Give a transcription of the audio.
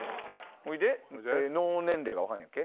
ほいで脳年齢が分かるんやっけ。